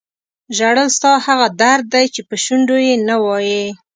ژړل ستا هغه درد دی چې په شونډو یې نه وایې.